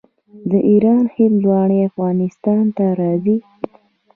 د ایران هندواڼې افغانستان ته راځي.